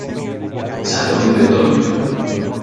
Salón de Otoño.